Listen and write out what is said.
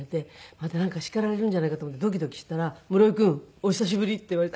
またなんか叱られるんじゃないかと思ってドキドキしていたら「室井君お久しぶり」って言われて。